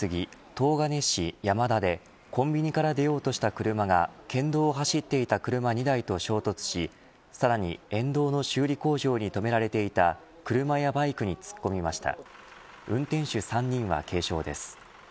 東金市山田でコンビニから出ようとした車が県道を走っていた車２台と衝突しさらに沿道の修理工場に止められていたクルマやバイクに突っ込みました。